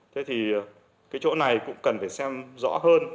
thế thì cái chỗ này cũng cần phải xem rõ hơn